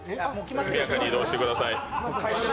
速やかに移動してください。